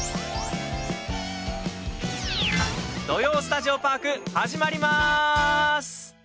「土曜スタジオパーク」始まりまーす！